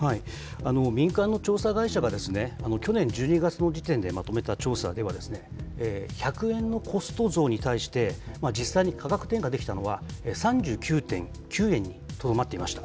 民間の調査会社が去年１２月の時点でまとめた調査では、１００円のコスト増に対して、実際に価格転嫁できたのは、３９．９円にとどまっていました。